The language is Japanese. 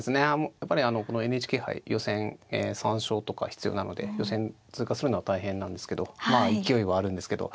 やっぱりこのＮＨＫ杯予選３勝とか必要なので予選通過するのは大変なんですけどまあ勢いはあるんですけど